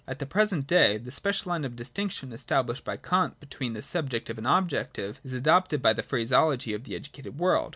At the present day, the special Hne of distinction established by Kant between the subjective and objective is adopted by the phraseology of the educated world.